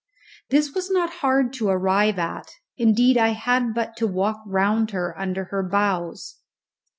This was not hard to arrive at; indeed, I had but to walk round her, under her bows.